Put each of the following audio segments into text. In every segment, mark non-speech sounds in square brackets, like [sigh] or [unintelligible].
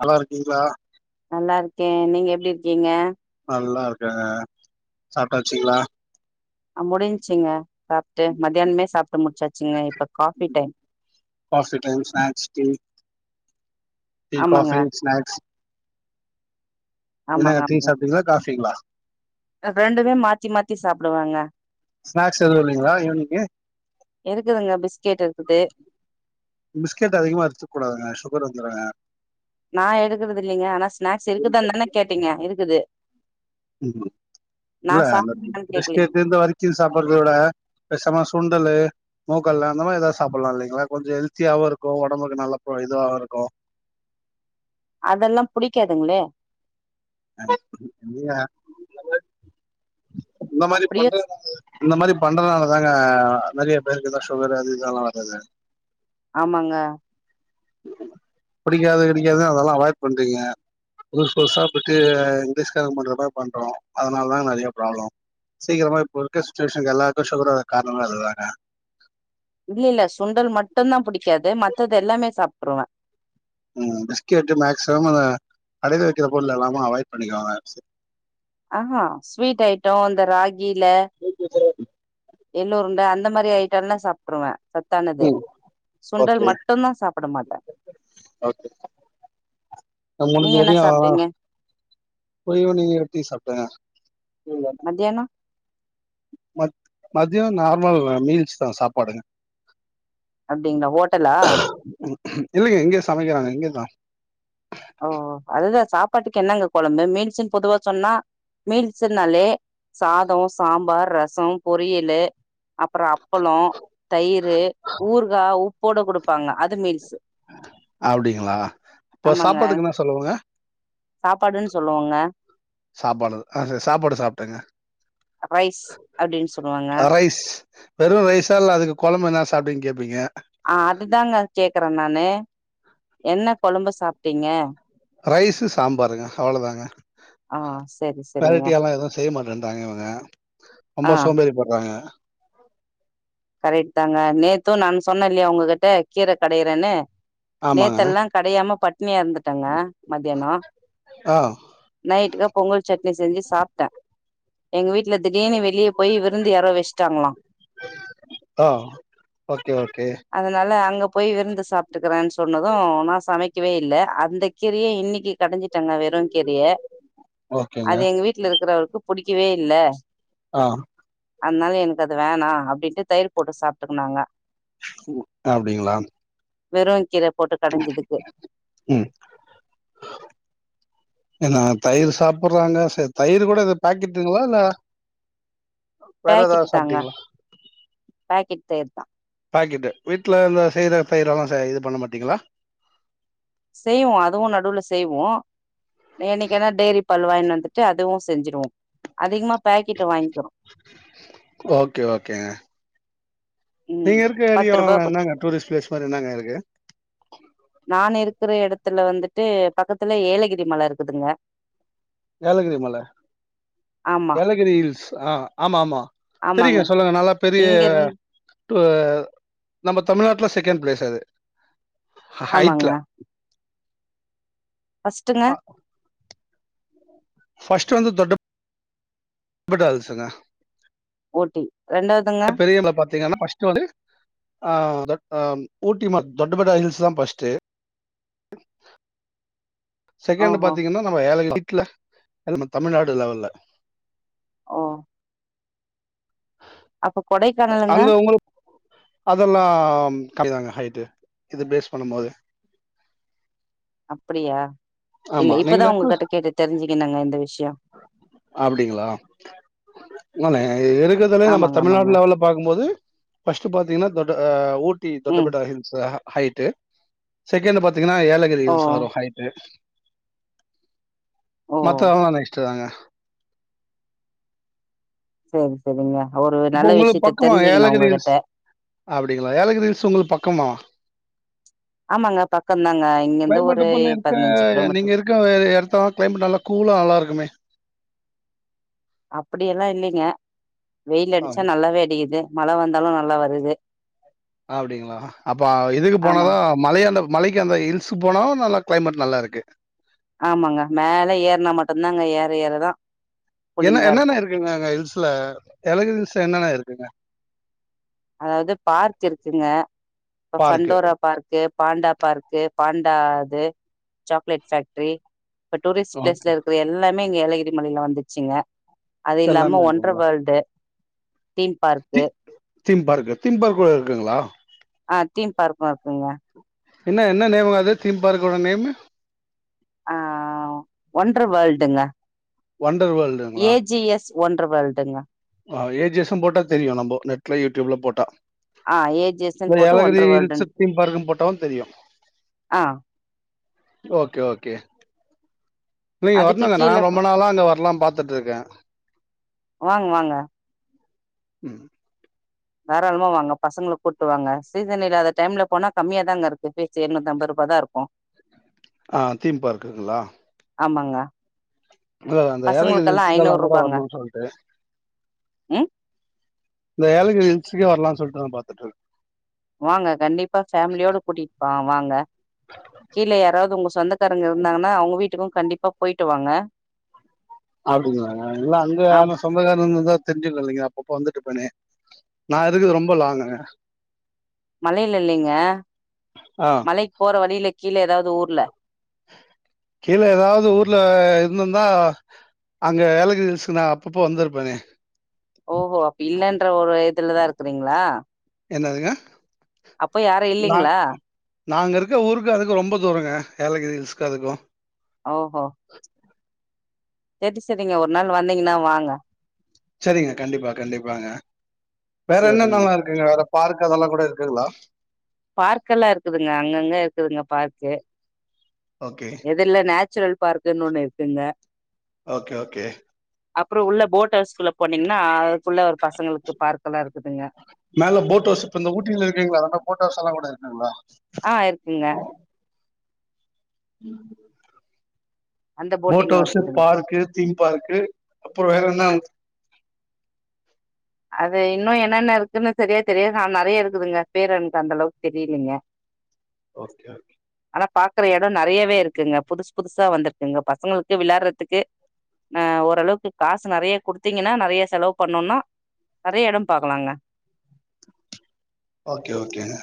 நல்லாருக்கீங்ளா நல்லாருக்கே நீங்க எப்டிருக்கீங்க நல்லாருக்கங்க சாப்ட்டாச்சுங்ளா முடிஞ்ச்சிங்க சாப்ட்டு மதியானமே சாப்ட்டு முடிச்சாச்சு [unintelligible] coffee time snacks tea tea ஆமாங்க காஃபி ஸ்நாக்ஸ் என்னங்க ஆமாங்க டீ ஆமாங்க சாப்டீங்ளா காஃபிங்ளா ரெண்டுமே மாத்தி மாத்தி சாப்டுவேங்க ஸ்நாக்ஸ் எதுவு இல்லிங்ளா ஈவினிங்கு இருக்குதுங்க பிஸ்கெட் இருக்குது பிஸ்கெட் அதிகமா எடுத்துக்க கூடாதுங்க சுகர் வந்துருங்க நா எடுக்கறது இல்லிங்க ஆனா ஸ்நாக்ஸ் இருக்குது தானே கேட்டீங்க இருக்குது ம் நா இல்ல சாப்டுவீங்களான்னு கேக்கலீங்க பிஸ்கட் இந்த வரிக்கு சாப்டறத விட பேசாம சுண்டலு மொக்கல்ல அந்த மாரி ஏதாது சாப்புட்லா இல்லைங்ளா கொஞ்ச ஹெல்த்தியாவுருக்கு ஒடம்புக்கு நல்ல இதுவாருக்கு அதெல்லா புடிக்காதுங்களே [inaudible] இந்த மாரி அப்டியே பண்றனால இந்த மாரி பண்றனால தா அஹ் நெறைய பேருக்கு தா சுகர் அது இதெல்லா வரது ஆமாங்க புடிக்காது கிடிக்காதுன்னு அதெல்லா அவாய்ட் பண்றீங்க புதுஸ் புதுசா போய்ட்டு இங்கிலீஷ்கார பண்ற மாரி பண்றோ அதனால தா நெறையா ப்ராப்ளம் சீக்கிரமா இப்ப இருக்க சுச்சிவேஷனுக்கு எல்லாருக்கு சுகர் வர காரணமே அது தாங்க இல்ல இல்ல சுண்டல் மட்டுந்தா புடிக்காது ம த்தது எல்லாமே சாப்ட்ருவே உம் பிஸ்கெட்டு மேக்சிமம் அந்த அடைத்து வெக்கிற பொருள் எல்லாமே அவாய்ட் பண்ணிக்கோங்க ஆ ஹா ஸ்வீட் ஐட்டோ அந் த ராகில எள் உருண்ட அந்த மாரி ஐட்டெல்லா சாப்ட்ருவே சத்தானது உம் சுண்டல் ஓகே மட்டுந்தா சாப்ட மாட்டே ஓகே நா மூனு நீங்க என்ன தடவ்யு சாப்ட்டீங்க பொறியு நெய் ரொட்டியு சாப்ட்டேங்க [unintelligible] மத்தியானோ மத் மதியோ நார்மல் மீல்ஸ் தா சாப்பாடுங்க அப்டிங்களா ஓட்டலா இல்லைங்க இங்கயே சமைக்கறாங்க இங்கதா ப்பாட்டுக்கு என்னங்க கொழம்பு மீல்ஸுன் பொதுவா சொன்னா மீல்ஸுனாலே சாதோ சாம்பார் ரசோ பொரியலு அப்பறோ அப்பளோ தயிரு ஊறுகா உப்போட குடுப்பாங்க அது மீல்ஸு அப்டிங்களா ப்ப சாப்பாட்டுக்கு என்ன செலவுங்க சாப்பாடுன் சொல்லுவோங்க சாப்பாடு அது [unintelligible] சாப்பாடு சாப்ட்டேங்க ரைஸ் அப்டின்னு சொல்லுவாங்க ரைஸ் வெறு ரைஸா இல்ல அதுக்கு கொழம்பு எனாச் அப்டின் கேப்பீங்க அஹ் அதுதாங்க கேக்கறே நானு என்ன கொழம்பு சாப்டீங்க ரைஸு சாம்பாருங்க அவ்வளோதாங்க ஆ செரி செரிங்க வெரைட்டியா எல்லா எதுவு செய்ய மாட்டன்றாங்க இவுங்க ஆ ரொம்ப சோம்பேறி பட்றாங்க கரெக்ட் தாங்க நேத்து நான் சொன்னல்லையா உங்ககிட்ட கீர கடையறேன்னு ஆமாங்க. நேத்தெல்லா கடையாம பட் ட்னியா இருந்துட்டங்க மத்யானோ ஆ, நைட்டுக்கு பொங்கல் சட்னி செஞ்சு சாப்ட்டே எங்க வீட் இல்ல திடீர்னு வெளிய போயி விருந்து யாரோ வெச்ட்டாங்களா அஹ் ஓகே ஓகே ல அங்க போய் விருந்து சாப்ட்டுக்கறே சொன்னது நா சமைக்கவே இல்ல அந்த கீரைய இன்னிக்கு கடஞ்சிட் டங்க வெறு கீரைய ஓகேங்க. அது எங்க வீட்ல இருக்கறவருக்கு புடிக்கவே இல்ல அஹ் அதனால எனக்கு அது வேணாம் அப்டின்னு தயிர் போட்டு சாப்பிட்டுக்குனாங்க அப்டிங்களா வெறும் கிற போட்டு கடைஞ்சதுக்கு ம். ஏன்னா தயிர் சாப்பிடுறாங்க செர் தயிர் கூட இது பாக்கட்டுங்களா இல்ல வேற பேக்கெட் ஏதாவது தாங்க சாப்பிட்டீங்களா? பேக்கெட் தேர் தான் பேக்கட் வீட்டுல இந்த செயர தயிர எல்லாம் ச இது பண்ண மாட்டீங்களா செய்வோம் அதுவும் நடுவுல செய்வோம் என்னைக்குன்னா டெய்ரி பல்வாயினனு வந்துட்டு அதுவும் செஞ்சிருவோம் அதிகமா பாக்கெட் வாங்கிக்கிறோம் ஓகே ஓகேங்க ம் நீங்க இருக்க பத்து ரூபா ஏரியாவலாம் குடுத்து என்னங்க டூரிஸ்ட் பிளேஸ் மாதிரி என்னங்க இருக்கு நான் இருக்கிற இடத்துல வந்துட்டு பக்கத்துல ஏலகிரி மல இருக்குதுங்க ஏலகிரி மலை ஆமா ஏலகிரி ஹில்ஸ் ஆஹ் ஆமா ஆமா ஆமாங்க தெரிங்க சொல்லுங்க நல்லா பெரிய இங்க இருந் வ நம்ம தமிழ்நாட்டுல செகண்ட் பிளேஸ் அது ஆமாங்க ஹய்ட்ல ஃபஸ்ட்டுங்க ஃபஸ்ட வந்து தொட்டப்பட்டா ஹில்ஸ்ங்க ஊட்டி ரெண்டாவதுங்க பெரியல பாத்தீங்கன்னா ஃபர்ஸ்ட்ட் வந்து ஆஹ் ஆஹ் ஊட்டி ம த தொட்டபட்டா ஹில்ஸ் தான் ஃபர்ஸ்ட் செகண்ட் ஓஹோ பாத்தீங்கன்னா நம ஏலகிரி ல்ல நம்ம தமிழ்நாடு லெவல்ல ஓ அப்ப கொடைக்கானலுங்க அங்க உங்களுக்கு அதெல்லாம் கமிதாங்க ஹைட்டு இத பேஸ் பண்ணும்போது அப்டியா இல்ல ஆமா இப்பதான் உங்ககிட்ட கேட்டு தெரிஞ்சுக் கினங்க இந்த விஷயம் அப்டிங்களா ஆ இருக்கதுல நம்ம ஆமாங்க ஆமாங்க தமிழ்நாடு லெவல்ல பாார்க்கும்போது ஃபர்ஸ்ட் பாத்தீங்கன்னா தொட்ட அ ஊட் டி ம் தொட்டபட்டா ஹில்ஸ் அஹ ஹைட்டு் செகண்ட் பாத் தீங்கன்னா ஏலகிரி ஓ ஹில்ஸ் வரும் ஹைட்டு ஓ மத்த அவனே தெவாங்க சேரி செரிங்க இப்ப உங்ளுக்கு பக்கமா ஏலகிரில்ஸ் அப்டிங்ளா ஏலகிரில்ஸ் உங்ளுக் பக் கம்மா ஆமாங்க பக்கம்தாங்க இங்கிருந்து ஒரு க்ளைமேட் இப்ப நீ பதினஞ்சு இருக்க கிலோமீட்டர் நீங்க இருக்க எட்த்த க்ளைமேட் நல்லா கூலா நல்லா இருக்கு குமே அப்படி எல்லா இல்லைங்க வெயில் அடிச்சா நல்லாவே அடிக்குது மழ வந்தாலு நல்லா வருது அப்டிங்ளா அப்ப இதுக்கு ஆமா போனாதா மலையான்ட மலைக்கு அந்த ஹில்ஸ் போனா நல்லா கிளைமேட் நல்லா இருக்கு ஆமாங்க மேல ஏறுனா மட்டுந்தாங்க ஏ ற ஏறதா என்ன கூலிங்கா இருக்கு என்னென்ன இருக்குங்க அங்க ஹில்ஸ்ல எலகு ஹில்ஸ்ல என்னென்ன இருக் குங்க அதாது பார்க் இருக்குங்க இப்ப park. Pandora park panda park panda அது சாக்லேட் ஃபேக்ட்ரி இப்ப டூரிஸ்ட் ஓகே. பிலேஸ்ல இருக்கற எல்லா மே இங்க ஏலகிரி மலையில வந்துச்சுங்க அது இல்லாம எல்லாமே wonder world theme park theme park திம்பார்க்குட இருக்குங்ளா அ தீம் பார்க்கு இருக்குங்க என்ன என்ன நேமுங்க அது தீம் பார்க்கோட நேமு ஆ ஒன்று வேல்டுங்க வண்டர் ஏஜிஎஸ் ஒன்று வேல்டுங்க ஆ ஏஜிஎஸ்ன் போட்டா தெரியு நம்போ நெட்ல யூட்யூப்ல போட்டா ஆ ஏ ஜி எஸ்ன்னு இந்த போட்டு ஏலகிரி ஒண்டர் வேர்ல்டுன் ஹில்சிப் தீம்பார்க்குன்னு போட்டாலு தெரியு ஆ ஓகே ஓகே நீங்க அதுக்கு வரணுங்க நா கீழ ரொம்ப நாளா அங்க வர்லான் பாத்துட்ருக்கே வாங்க வாங்க ம் தாராளமா வாங்க பசங்ள கூட்டு வாங்க சீசன் இல்லாத டைம்ல போனா கம்மியாாதாங்க இருக்கு ஃபீச்சே எர்நூத் அம்பருபா தா இருக்கு அ தீம் பார்க்குங்குளா ஆமாங்க ப்ரோ அந்த ஏலைக் பசங்களுக்கெல்லா இன்ஸ்டால ஐநூறு கூட ரூபாங்க வரணுன் சொல்ட்டு ம் இந்த ஏலக்கிரி ஹீல்ஸ்க்கே வரலான் சொல்ட்டு நா பாத்துட்டு இருக்க வாங்க கண்டிப்பா ஃபேமிலியோட கூட்டிட்டு வாங்க கீழ யாராவது ஒங்க சொந்தக்காரங்க இருந்தாங்கன்னா அவங்க வீட் டுக்கு கண்டிப்பா போய்ட்டு வாங்க அப்டிங்ளாங்க இல்ல அங்க ஆம் யாரு சொந்தக்காரவங்கதா தெரிஞ்சுதில்லைங்க அப்பப்ப வந்துட்டு போன நா இருக்குற ரொம்ப லாங்குங்க மலைல இல்லைங்க ஆ. மலைக்கு போற வழில கீழ ஏதாவது ஊர்ல கீழ ஏதாவது ஊர்ல இருந்துருந்தா அங்க ஏலகிரி ஹில்ஸ்க்கு நா அப்பப்போ வந்துருப்பனே ஓ அப்ப இல்லன்ற ஒரு இதுலதா இருக்குறீங்களா என்னதுங்க அப்ப யாரு நான் இல்லைங்ளா நாங்க இருக்க ஊருக்கு அதுக்கு ரொம்ப தூரங்க ஏலகிரி ஹில்ஸ்க்கு அதுக்கு ஆஹா சரி சரிங்க ஒரு நாள் வந்தீங்கன்னா வாங்க சரிங்க கண்டிப்பா கண்டிப்பாங்க வேற சரிங்க என்னென்னல்லா இருக்குங்க வேற பார்க் அதெல்லா கூட இருக்குங்ளா பார்க் எல்லா இருக்குதுங்க அங்கங்க இருக்குதுங்க பார்க்கு ஓகே. எது இல்ல நச் சுரல் பார்க்குன்னு ஒண்ணு இருக்குங்க ஓகே ஓகே அப்புறோ உள்ள போட்டவுஸ்குள்ள போனீங்னா மேல போட்அவுஸ் இப்ப இந்த ஊட்டில இருக்கீங்களா அதனா போட்வுஸ் எல்லா கூட இருக்கு ஆமா ஆ இருக்குங்க ம் அந்த போட் போட்டிங்கும் ஹவுஸ்சு இருக்குதுங்க பார்க்கு தீம் பார்க்கு அப்புறோ வேற என்ன அது இன்னு என்னென்ன இருக்குன்னு சரியா தெரியாது ஆனா நறைய இருக்குதுங்க பேரு எனக்கு அந்தளவுக்கு தெரியலங்க ஓகே ஓகே ஆனா பாக்குற எடம் நறையாவே இருக்குங்க புதுசு புதுசா வந்திருக்குங்க பசங்களுக்கு விளாட்றதுக்கு ஆ ஓரளவுக்கு காசு நறைய குடுத்தீங்கன்னா நறைய செலவு பண்ணோன்னா நறைய எடம் பாக்கலாங்க ஓகே ஓகேங்க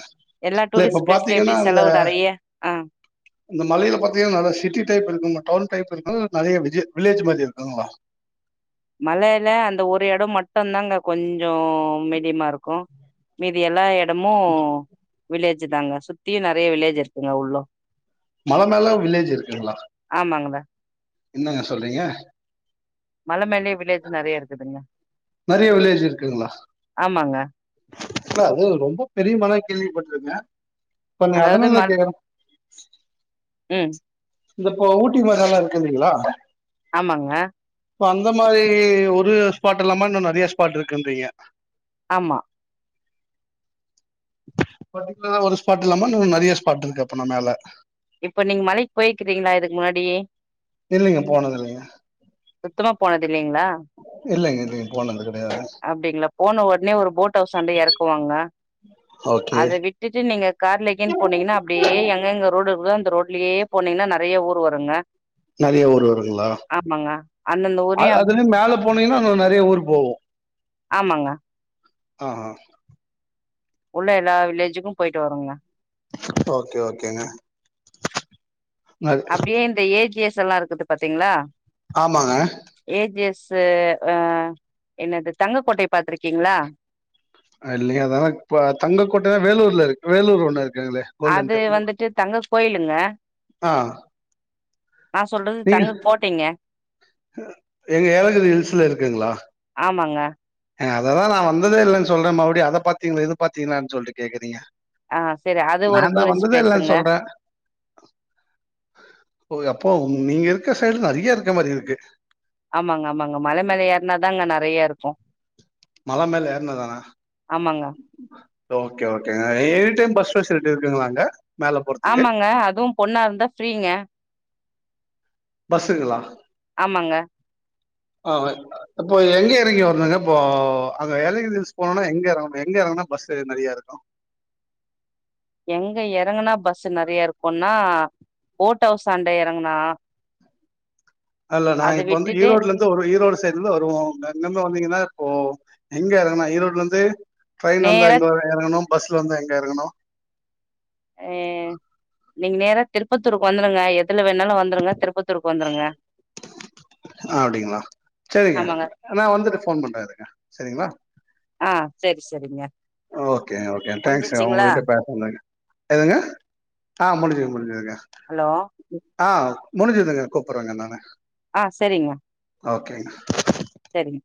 எல்லா இல்ல இப்ப டூரிஸ்ட் பிளேஸ்லயும் பாத்தீங்கன்னா எப்டி இந்த செலவு நெறைய ஆ இந்த மலையில பாத்தீங்கன்னா நல்ல சிட்டி டைப் இருக்குமே டவுன் டைப் இருக்குங்ளா இல்ல நறைய விஜ வில்லேஜ் மாரி இருக்குங்ளா மலையில அந்த ஒரு எடம் மட்டுந்தாங்க கொஞ் சோ மீடியமா இருக்கு மீதி எல்லா எட என்னமோ வில்லேஜ் ஞ்சுட்டாங்க சுத்தியு நெறயா வில்லேஜ் இருக்குங்க உள்ளு மல மேல வில்லேஜ் இருக்குங்குளா ஆமாங்கடா என்னங்க சொல்றீங்க மல மேல்லியே வில்லேஜ் நெறியா இருக்குதுங்க நிறைய வில்லேஜ் இருக்குங்களா ஆமாங்க இல்ல அது ரொம்ப பெரிய மல கேள்விப்பட்ருக்கே இப்ப நீ அதாவது ம அதுனாலதா கேக்கிற ம் இந்த இப்போ ஊட்டி மாரி எல்லா இருக்குல்லீங்கிளா ஆமாங்க இப்போ அந்த மாரி ஒரு ஸ்பாட் இல்லாம இன்னு நறைய ஸ்பாட் இருக்குன்றீங்க ஆம்மா பட்டிகுள்ளரா ஒரு ஸ்பாட் இல்லாம இன்னு நெறைய ஸ்பாட் இருக்கு அப்புனா மேல இப்ப நீங் மலைக் போயிக்கிறீங்களா இதுக் முன்னாடி இல்லிங்க போனது இல்லைங்க சுத்தமா போனதே இல்லீங்குளா இல்லைங்க இல்லைங்க போனது கிடையாது அப்டிங்குளா போன ஒடனே ஒரு போட் ஹவுஷாண்ட எறக்குவாங்க ஓகே அத விட்டுட்டுன் நீங்க கார்லெகேன் போனீங்கன்னா அப்டியே எங்கங்க ரோடு இருக் க்குதோ அந்த ரோட்லியே போனீங்கன்னா நெறியா ஊர் வருங்க நெறைய ஊர் வருங்குளா ஆமாங்க அந்தந்த அ ஊரையு அப் அது மேல போனீங்குன்னா இன்னு நெறைய ஊர் ஓ ஆமாங்க அஹா உள்ள எல்லா வில்லேஜுக்கு போயிட்டு வருங்க ஓக்கே ஓகேங்க அப்டியே இந்த ஏ ஜி எஸ் சல்லா இருக்குது பாத்தீங்களா ஆமாங்க அது அஹ் என்னது தங்கக்கோட்டை பாத்திருக்கீங்களா இல்லீங்க அதான பாத் தங்கக்கோட்ட வேலூர்ல இருக் வேலூர் ல ஒன்னு இரு அது வந்துட்டு தங்க கோயிலுங்க ஆ நா சொல்றது நீங்க தங்க கோட்டைங்க எங்க ஏலகிரி ஹில்ஸ்சுல இருக்குங்குளா ஆமாங்க ஏங்க அததா நா வந்ததே இல்லன் சொல்றே மறுபடி அத பாத்தீங்களா இது பாத்தீங்களான் சொல்ட்டு கேக்கறீங்க அ செரி அத ஒரு டூரிஸ்ப் இல்லன்னு பிளேஸ்சுங்க சொல்றேன் ஓஹ் நீங்க இருக்க சைட்ல நெறய இருக்க மாரி இருக்கு ஆமாங்க ஆமாங்க மல மேல ஏற்னாதாங்க நெறைய இருக் கு மல மேல ஏற்னா தானா ஆமாங்க ஓகே ஓகேங்க எனி டைம் பஸ் ஃபெசிலிட்டி இருக்குங்களாங்க ஆமாங்க அதுவு பொண்ணா இருந்தா ஃப்ரீங்க பஸ்ஸுங்களா ஆமாங்க ஆஹ் இப்போ எங்க எறங்கி வரனுங்க இப்போ அங்க ஏலகிரிஸ் போனுனா எங்க எறங்கணு எங்க எறங்குனா பஸ்சு நெறய இருக்கு எங்க எறங்குனா பஸ் நெறயா இருக்குன்னா போட் அவுஸ் ஆண்ட எறங்குனா அல்ல நா அத இப்ப வந்து விட்டுட்டு ஈரோடுல இருந்து வருவே ஈரோடு சைட்ல இருந்து வருவோ [unintelligible] வந்தீங்கன்னா ஓ எங்க எறங்கனா ஈரோட்லருந்து ட்ரெயின் வந்தா நேரா எங்க வர எறங்கணும் பஸ்ல வந்தா எங்க எறங்கணு அஹ் நீங்க நேரா திருப்பத்தூருக்கு வந்துருங்க எத் துல வேணாலு வந்துருங்க திருப்பத்தூருக்கு வந்துருங்க ஆ அப்டிங்களா? சரிங்க. ஆமாங்க நான் வந்துட்டு ஃபோன் பண்றேன் இருங்க. சரிங்களா? ஆஹ் சரி செரிங்க ஓகே ஓகே தேங்க்ஸ்ங்க உங்ககிட்ட பேசனதுக் எதுங்க ஆஹ் முடிஞ்சுது முடிஞ்சுதுங்க ஹலோ ஆஹ் முடிஞ்சுதுங்க கூப்புட்றேங்க நானு ஆஹ் செரிங்க ஓகேங்க சரிங்க